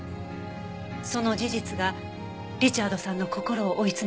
その事実がリチャードさんの心を追い詰めたんです。